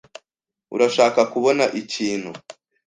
Urashaka kubona ikintu?